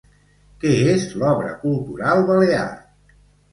Què és l'Obra Cultural Balear?